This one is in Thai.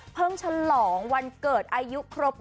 เพิ่งชะลองวันเกิดอายุครบ